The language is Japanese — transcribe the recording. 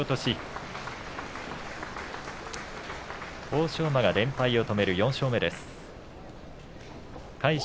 欧勝馬は連敗を止める４勝目です。